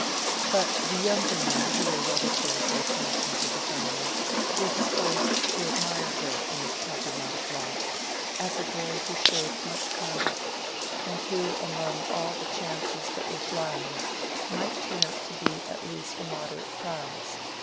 But the younger men who were relatives or connections of the family, were disposed to admire her in this problematic light, as a girl who showed much conduct, and who among all the chances that were flying might turn out to be at least a moderate prize.